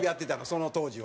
その当時は。